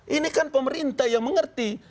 ini kan pemerintah yang mengerti